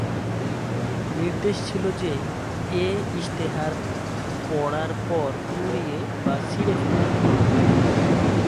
নির্দেশ ছিল যে এ ইশতেহার পড়ার পর পুড়িয়ে বা ছিঁড়ে ফেলতে হবে।